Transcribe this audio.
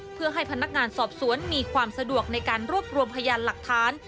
เพื่อให้พนักงานสอบสวนมีความสะดวกในการรวบรวมพยานหลักฐาน